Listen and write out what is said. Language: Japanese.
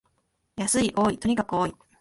安い、多い、とにかく多い